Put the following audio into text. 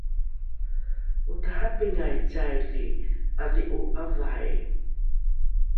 otarapingai caili ’adhi’o ’avai?